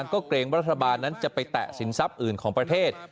ก็เกรงว่ารัฐบาลนั้นจะไปแตะสินทรัพย์อื่นของประเทศ